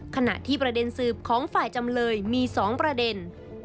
ขณะที่ประเด็นสืบของฝ่ายจำเลยมี๒ประเด็น